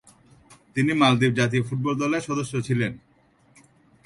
তিনি মালদ্বীপ জাতীয় ফুটবল দলের সদস্য ছিলেন।